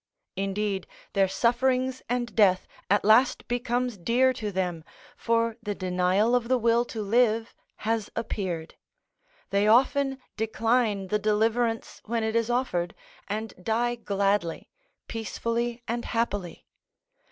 Indeed, their sufferings and death at last becomes dear to them, for the denial of the will to live has appeared; they often decline the deliverance when it is offered, and die gladly, peacefully, and happily.